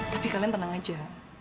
tapi kalian tenang aja